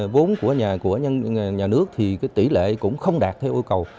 vốn của nhà nước thì tỷ lệ cũng không đạt theo yêu cầu